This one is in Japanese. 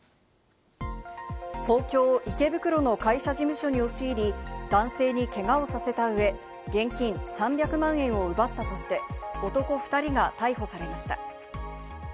東京・池袋の会社事務所に押し入り、男性にけがをさせた上、現金３００万円を奪ったとして男２人が逮捕されました。